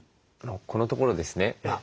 このところですね